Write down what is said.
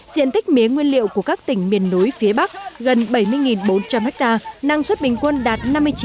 diện tích mía nguyên liệu của các tỉnh miền núi phía bắc gần bảy mươi bốn trăm linh ha năng suất bình quân đạt năm mươi chín